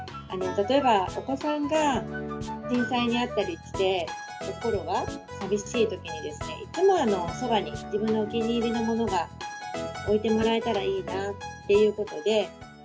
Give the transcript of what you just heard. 例えばお子さんが震災に遭ったりして、心が寂しいときに、いつもそばに、自分のお気に入りのものが置いてもらえたらいいなっていうことで。